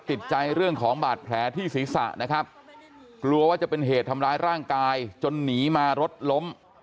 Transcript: ติดใจเรื่องของบาดแผลที่ศีรษะนะครับกลัวว่าจะเป็นเหตุทำร้ายร่างกายจนหนีมารถล้ม